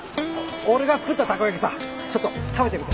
俺が作ったたこ焼きさちょっと食べてみて。